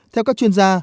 theo các chuyên gia